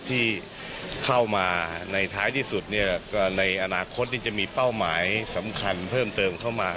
ที่เข้ามาในท้ายที่สุดเนี่ยก็ในอนาคตจะมีเป้าหมายสำคัญเพิ่มเติมเข้ามา